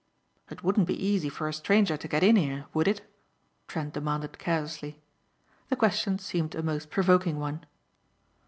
"It wouldn't be easy for a stranger to get in here, would it?" Trent demanded carelessly. The question seemed a most provoking one.